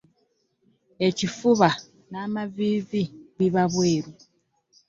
Ekifuba n'amaviivi biba bweru.